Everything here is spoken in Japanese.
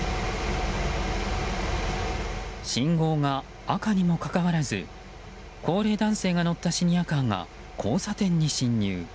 信号が赤にもかかわらず高齢男性が乗ったシニアカーが交差点に進入。